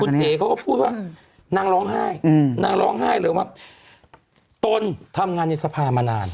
คุณเอ๋เขาก็พูดว่านางร้องไห้นางร้องไห้เลยว่าตนทำงานในสภามานาน